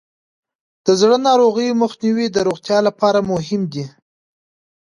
د زړه ناروغیو مخنیوی د روغتیا لپاره مهم دی.